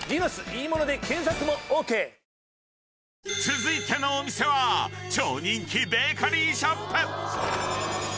［続いてのお店は超人気ベーカリーショップ］